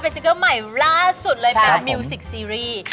เป็นเจ้าเกอร์ใหม่ล่าสุดเลยเป็นมิวสิกซีรีส์